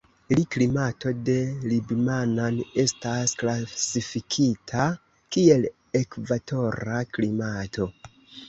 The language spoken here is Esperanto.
La klimato de Libmanan estas klasifikita kiel ekvatora klimato.